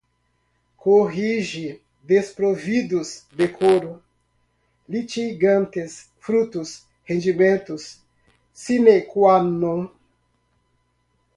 corrige, desprovidos, decoro, litigantes, frutos, rendimentos, sine qua non